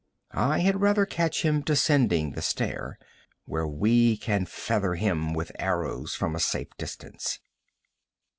I had rather catch him descending the stair, where we can feather him with arrows from a safe distance.'